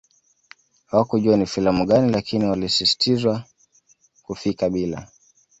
Hawakujua ni filamu gani lakini walisisitizwa kufika bila